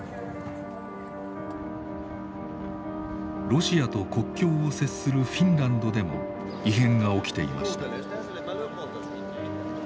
ロシアと国境を接するフィンランドでも異変が起きていました。